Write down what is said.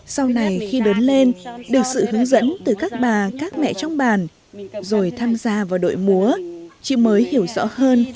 sau này khi đớn lên được sự hướng dẫn từ các bà các mẹ trong bàn rồi tham gia vào đội múa chị mới hiểu rõ hơn